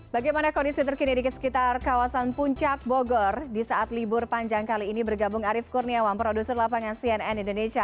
bagaimana kondisi terkini di sekitar kawasan puncak bogor di saat libur panjang kali ini bergabung arief kurniawan produser lapangan cnn indonesia